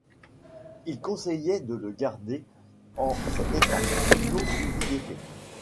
Il conseillait de le garder en cet état, non suivi d'effet.